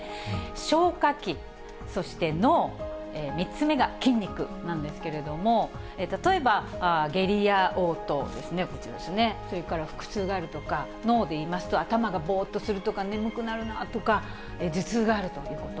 消化器、そして脳、３つ目が筋肉なんですけれども、例えば、下痢やおう吐ですね、こちらですね、それから腹痛があるとか、脳で言いますと頭がぼーっとするとか、眠くなるなとか、頭痛があるということ。